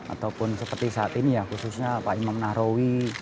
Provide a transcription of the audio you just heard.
ataupun seperti saat ini ya khususnya pak imam nahrawi